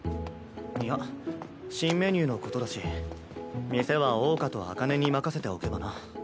いや新メニューのことだし店は桜花と紅葉に任せておけばな。